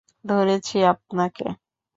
ধরেছি, আপনাকে।